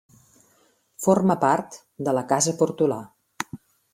Forma part de la casa Portolà.